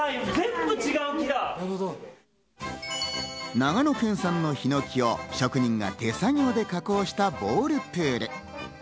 長野県産のヒノキを職人が手作業で加工したボールプール。